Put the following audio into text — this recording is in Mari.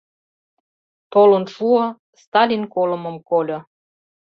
Толын шуо — Сталин колымым кольо.